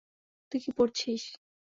তুই কি পড়ছিস?